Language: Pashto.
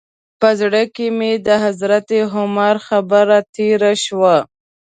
په زړه کې مې د حضرت عمر خبره تېره شوه.